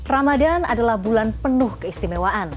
ramadan adalah bulan penuh keistimewaan